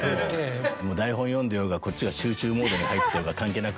台本読んでようがこっちが集中モードに入ってようが関係なく。